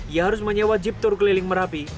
ia harus menyewa jiptur keliling merapi